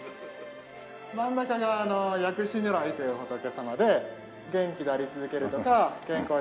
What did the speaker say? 真ん中が薬師如来という仏様で元気であり続けるとか健康であり続ける